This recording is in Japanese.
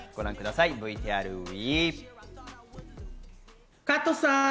ＶＴＲＷＥ！